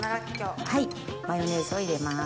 マヨネーズを入れます。